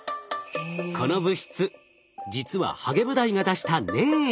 この物質実はハゲブダイが出した粘液。